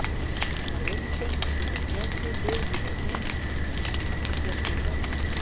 ما ولیدل چې په پارک کې ډېر بوډاګان ګرځېدل